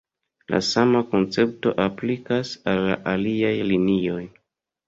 La sama koncepto aplikas al la aliaj linioj.